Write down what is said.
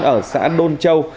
ở xã đôn châu